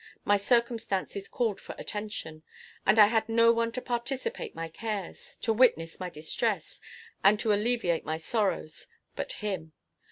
My circumstances called for attention; and I had no one to participate my cares, to witness my distress, and to alleviate my sorrows, but him.